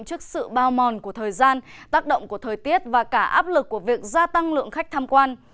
trước sự bao mòn của thời gian tác động của thời tiết và cả áp lực của việc gia tăng lượng khách tham quan